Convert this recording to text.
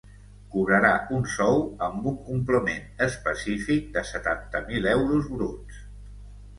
Cobrarà un sou, amb un complement específic, de setanta mil euros bruts.